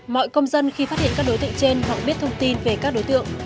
mọi công dân khi phát hiện các đối tượng trên họ biết thông tin về các đối tượng